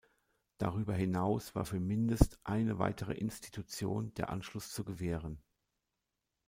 Darüber hinaus war für mindest eine weitere Institution der Anschluss zu gewähren.